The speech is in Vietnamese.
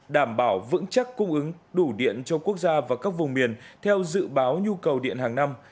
đảm bảo vững chắc cung ứng đủ điện cho quốc gia và các vùng miền theo dự báo nhu cầu điện hàng năm